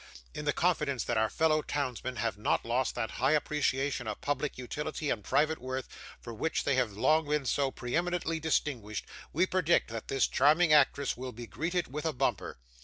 In the confidence that our fellow townsmen have not lost that high appreciation of public utility and private worth, for which they have long been so pre eminently distinguished, we predict that this charming actress will be greeted with a bumper.